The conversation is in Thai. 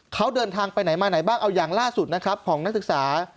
เขาเดินทางไปไหนมาไหนบ้างเอาอย่างล่าสุดนะครับของนักศึกษา